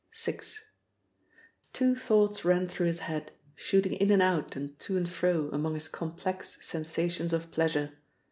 VI. Two thoughts ran through his head, shooting in and out and to and fro among his complex sensations of pleasure.